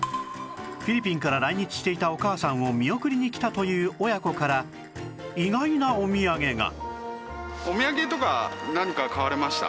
フィリピンから来日していたお母さんを見送りに来たという親子から意外なお土産が！